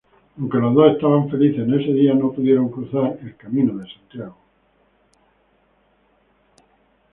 Aunque los dos estaban felices en ese día, no pudieron cruzar la camina Santiago.